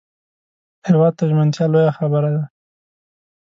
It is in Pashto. هېواد ته ژمنتیا لویه خبره ده